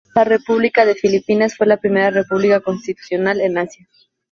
La República de Filipinas fue la primera república constitucional en Asia.